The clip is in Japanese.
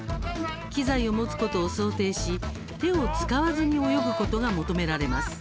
機材を持つことを想定し手を使わずに泳ぐことが求められます。